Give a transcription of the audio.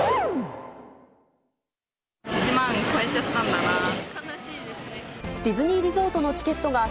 １万超えちゃったんだなと。